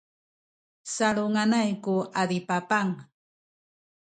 salunganay ku adipapang